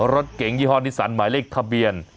รถเก๋งยี่ห้อนิสันหมายเลขทะเบียน